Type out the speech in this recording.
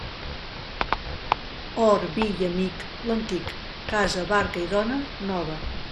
Or, vi i amic, l'antic; casa, barca i dona, nova.